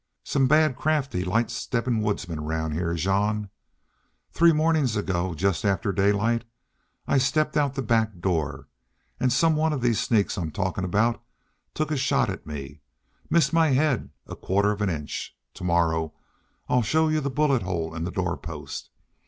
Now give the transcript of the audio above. Some bad, crafty, light steppin' woodsmen 'round heah, Jean.... Three mawnin's ago, just after daylight, I stepped out the back door an' some one of these sneaks I'm talkin' aboot took a shot at me. Missed my head a quarter of an inch! To morrow I'll show you the bullet hole in the doorpost.